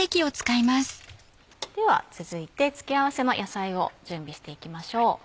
では続いて付け合わせの野菜を準備していきましょう。